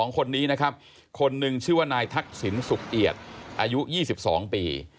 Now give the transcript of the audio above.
๒คนนี้นะครับคนหนึ่งชื่อว่านายทักษิณสุขเอียดอายุ๒๒ปี